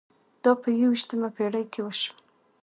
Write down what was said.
دا په یوویشتمه پېړۍ کې وشول.